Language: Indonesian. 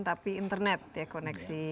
tapi internet ya koneksi